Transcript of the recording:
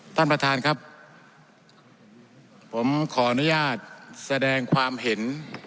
ท่านประธานครับผมขออนุญาตแสดงความเห็น